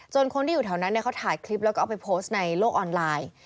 คนที่อยู่แถวนั้นเขาถ่ายคลิปแล้วก็เอาไปโพสต์ในโลกออนไลน์